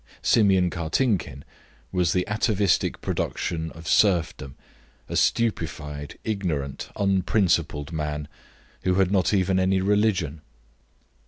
Simeon Kartinkin was the atavistic production of serfdom, a stupefied, ignorant, unprincipled man, who had not even any religion.